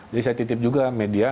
jadi saya titip juga media